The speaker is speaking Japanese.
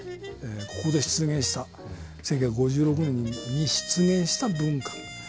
ここで出現した１９５６年に出現した文化サブカルチャー